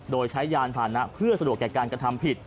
โดยใช้ยานผ่านนะเพื่อสะดวกแก่การกระทำผิด